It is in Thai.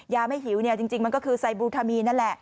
ยาไม่หิวเนี่ยจริงมันก็คือไซบูทามีนั่นแหละ